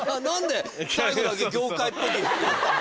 何で。